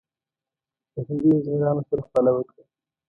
له هندي انجنیرانو سره خواله وکړه.